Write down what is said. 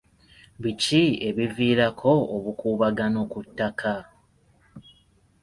Biki ebiviirako obukuubagano ku ttaka?